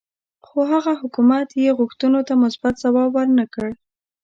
خو هغه حکومت یې غوښتنو ته مثبت ځواب ورنه کړ.